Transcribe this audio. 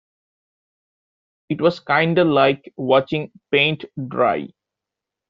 It was kinda like watching paint dry.